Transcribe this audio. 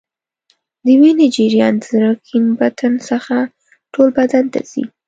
د وینې جریان د زړه کیڼ بطن څخه ټول بدن ته ځي.